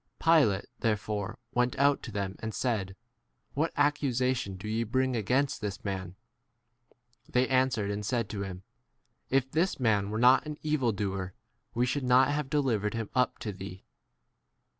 Pilate there fore went out to them and said, What accusation do ye bring 30 against this man ? They answered and said to him, If this [man] were not an evildoer we should not have delivered him up to thee.